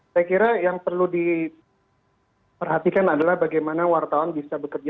saya kira yang perlu diperhatikan adalah bagaimana wartawan bisa bekerja